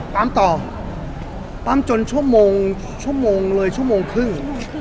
ปั๊มต่อปั๊มจนชั่วโมงชั่วโมงเลยชั่วโมงครึ่ง